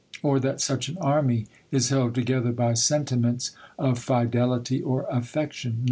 or that such an army is held together by sentiments of fidelity or affection